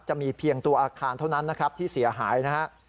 จะมีเพียงตัวอาคารเท่านั้นนะครับที่เสียหายนะฮะ